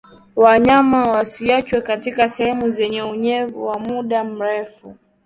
Wanyama wasiachwe katika sehemu zenye unyevu kwa muda mrefu